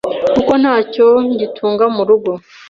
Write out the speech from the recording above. kuko ntacyo ngitunga mu rugo